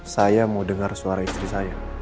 saya mau dengar suara istri saya